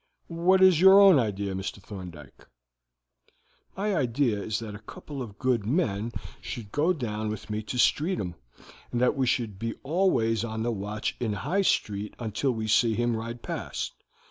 What is your own idea, Mr. Thorndyke?" "My idea is that a couple of good men should go down with me to Streatham, and that we should be always on the watch in High Street until we see him ride past.